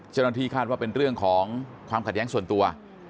เจ้าหน้าที่คาดว่าเป็นเรื่องของความขัดแย้งส่วนตัว